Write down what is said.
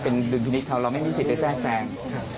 เป็นดึงพินิษฐ์เท่าเราไม่มีสิทธิ์ไปแซ่ง